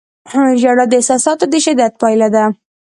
• ژړا د احساساتو د شدت پایله ده.